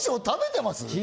食べてます